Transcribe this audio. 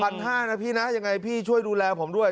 นะพี่นะยังไงพี่ช่วยดูแลผมด้วย